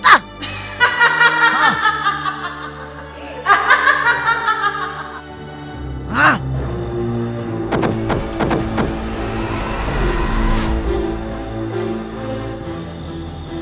kau akan menangkap nyai kembang